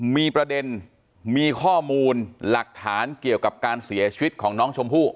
มีประเด็นมีข้อมูลหลักฐานเกี่ยวกับการเสียชีวิตของน้องชมพู่